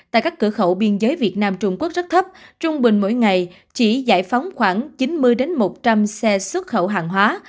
tại các cửa khẩu biên giới việt nam trung quốc rất thấp trung bình mỗi ngày chỉ giải phóng khoảng chín mươi một trăm linh xe xuất khẩu hàng hóa